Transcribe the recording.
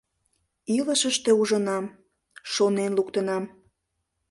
Илышыште ужынам — шонен луктынам...